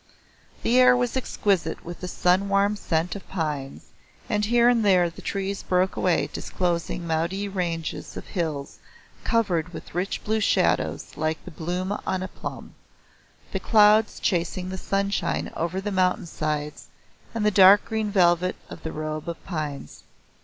The air was exquisite with the sun warm scent of pines, and here and there the trees broke away disclosing mighty ranges of hills covered with rich blue shadows like the bloom on a plum, the clouds chasing the sunshine over the mountain sides and the dark green velvet of the robe of pines.